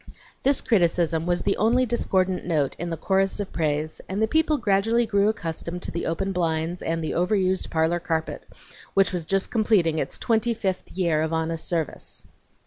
This criticism was the only discordant note in the chorus of praise, and the people gradually grew accustomed to the open blinds and the overused parlor carpet, which was just completing its twenty fifth year of honest service.